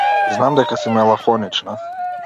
Знам дека си мелахонична.